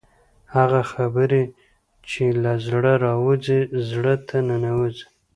هغه خبرې چې له زړه راوځي زړه ته ننوځي.